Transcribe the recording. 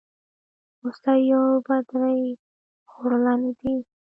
هوسۍ او بدرۍ خورلڼي دي.